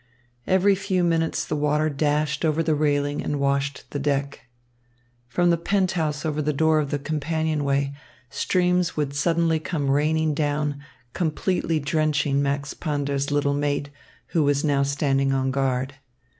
Every few minutes the water dashed over the railing and washed the deck. From the penthouse over the door of the companionway, streams would suddenly come raining down, completely drenching Max Pander's little mate, who was now standing on guard.